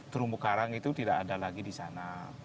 terumbu karang itu tidak ada lagi di sana